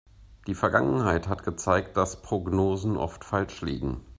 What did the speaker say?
Die Vergangenheit hat gezeigt, dass Prognosen oft falsch liegen.